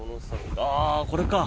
ああ、これか。